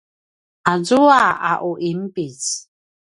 azua a u inpic